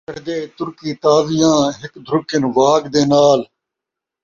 ہک چڑھدے ترکی تازیاں ، ہک دھرکن واڳ دے نال ۔۔۔